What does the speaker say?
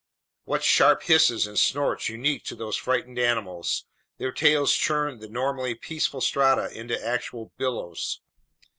What sharp hisses and snorts unique to these frightened animals! Their tails churned the normally peaceful strata into actual billows.